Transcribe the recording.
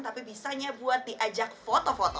tapi bisanya buat diajak foto foto